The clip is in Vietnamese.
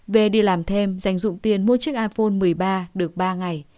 về đi làm thêm dành dụng tiền mua chiếc iphone một mươi ba được ba ngày